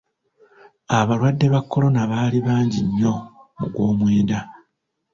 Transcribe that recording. Abalwadde ba kolona baali bangi nnyo mu gw'omwenda.